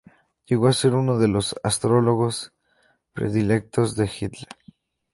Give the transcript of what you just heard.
Llegó a ser uno de los astrólogos predilectos de Hitler.